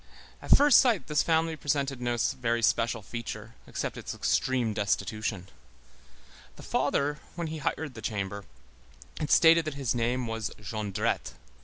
At first sight, this family presented no very special feature except its extreme destitution; the father, when he hired the chamber, had stated that his name was Jondrette.